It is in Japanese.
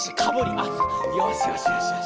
あっよしよしよしよし。